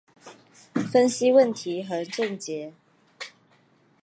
分析问题和症结